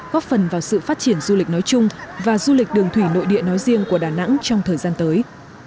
góp phần vào sự phát triển du lịch nói chung và du lịch đường thủy nội địa nói riêng của đà nẵng trong thời gian tới